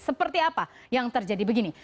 seperti apa yang terjadi begini